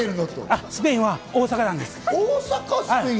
スペインは、大阪なんです。